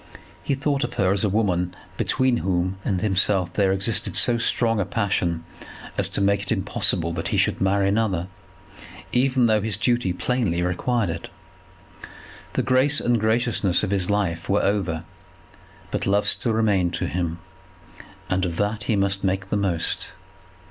He thought of her as a woman between whom and himself there existed so strong a passion as to make it impossible that he should marry another, even though his duty plainly required it. The grace and graciousness of his life were over; but love still remained to him, and of that he must make the most.